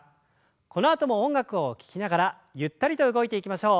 このあとも音楽を聞きながらゆったりと動いていきましょう。